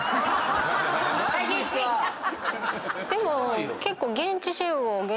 でも結構。